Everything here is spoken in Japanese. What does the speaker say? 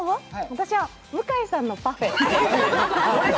私は、向井さんのパフェ。